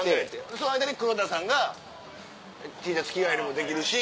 その間に黒田さんがＴシャツ着替えるのもできるし。